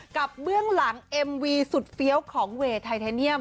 เบื้องหลังเอ็มวีสุดเฟี้ยวของเวย์ไทเทเนียม